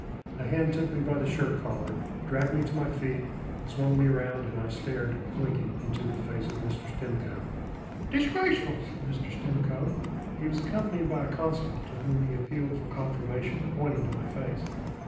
A hand took me by the shirt collar, dragged me to my feet, and swung me round, and I stared, blinking, into the face of Mr. Stimcoe. "Dishgrashful!" said Mr. Stimcoe. He was accompanied by a constable, to whom he appealed for confirmation, pointing to my face.